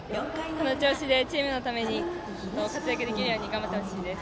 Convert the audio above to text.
この調子でチームのために活躍できるように頑張ってほしいです。